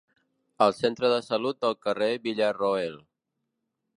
Al centre de salut del Carrer Villaroel.